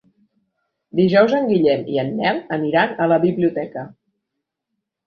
Dijous en Guillem i en Nel aniran a la biblioteca.